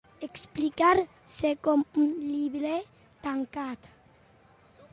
Explicar-se com un llibre tancat.